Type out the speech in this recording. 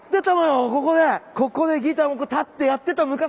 ここでギター立ってやってた昔。